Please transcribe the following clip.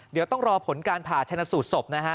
เดี๋ยวต้องรอผลการผ่าชนะสูตรศพนะฮะ